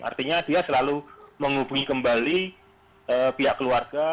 artinya dia selalu menghubungi kembali pihak keluarga